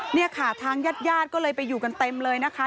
นี่ค่ะทางญาติญาติก็เลยไปอยู่กันเต็มเลยนะคะ